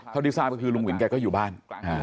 เท่าที่ทราบก็คือลุงวินแกก็อยู่บ้าน